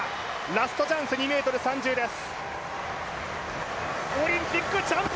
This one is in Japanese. ラストチャンス、２ｍ３０です。